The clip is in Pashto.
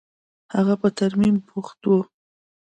هغه په ترميم بوخت و.